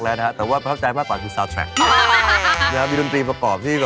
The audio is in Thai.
เรียกว่าคลั่งไคร